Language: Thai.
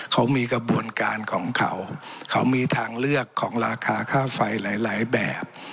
เขามีกระบวนการของเขาเขามีทางเลือกของราคาค่าไฟหลายแบบ